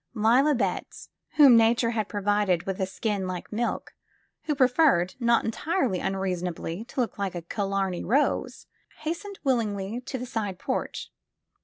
Leila Betts, whom Nature had provided with a skin like milk, but who preferred, not entirely unreasonably, to look like a Killamey rose, hastened willingly to the side porch.